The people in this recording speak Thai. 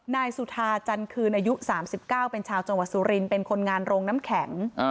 นายสุธาจันคืนอายุ๓๙เป็นชาวจังหวัดสุรินเป็นคนงานโรงน้ำแข็ง